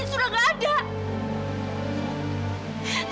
sudah gak ada